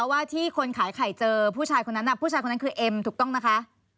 ว่าที่คนขายไข่เจอผู้ชายคนนั้นผู้ชายคนนั้นคือเอ็มถูกต้องนะคะ